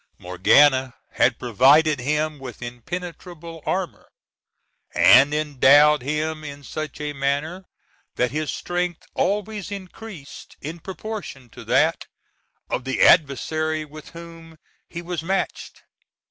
Morgana had provided him with impenetrable armor, and endowed him in such a manner that his strength always increased in proportion to that of the adversary with whom he was matched.